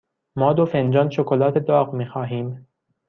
ما دو فنجان شکلات داغ می خواهیم.